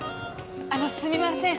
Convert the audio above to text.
あのすみません